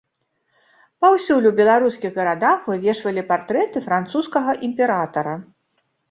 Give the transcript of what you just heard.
Паўсюль у беларускіх гарадах вывешвалі партрэты французскага імператара.